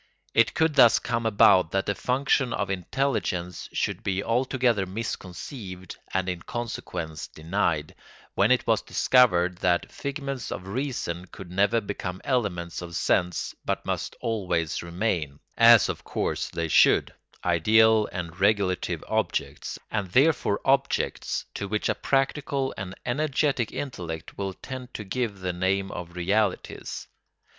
It could thus come about that the function of intelligence should be altogether misconceived and in consequence denied, when it was discovered that figments of reason could never become elements of sense but must always remain, as of course they should, ideal and regulative objects, and therefore objects to which a practical and energetic intellect will tend to give the name of realities.